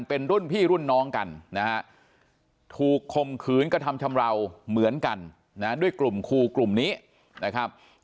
เป็นรุ่นพี่รุ่นน้องกันนะฮะถูกคมขืนกระทำชำราวเหมือนกันนะด้วยกลุ่มครูกลุ่มนี้นะครับ